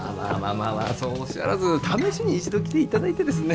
まあそうおっしゃらず試しに一度来ていただいてですね。